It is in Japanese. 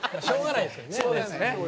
そうですね。